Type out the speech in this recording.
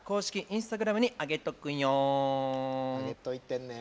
インスタグラムにあげとくよん！